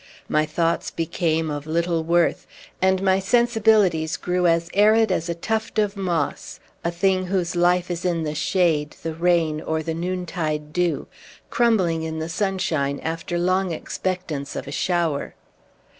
My thoughts became of little worth, and my sensibilities grew as arid as a tuft of moss (a thing whose life is in the shade, the rain, or the noontide dew), crumbling in the sunshine after long expectance of a shower.